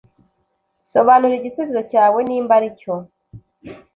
sobanura igisubizo cyawe nimba aricyo